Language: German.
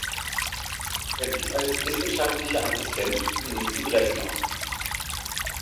Er blieb als wissenschaftlicher Assistent zunächst in Breslau.